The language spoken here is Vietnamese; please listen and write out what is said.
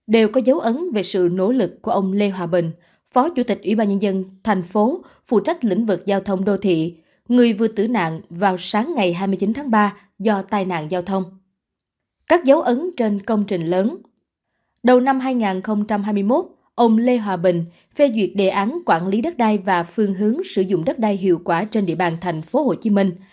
đầu năm hai nghìn hai mươi một ông lê hòa bình phê duyệt đề án quản lý đất đai và phương hướng sử dụng đất đai hiệu quả trên địa bàn thành phố hồ chí minh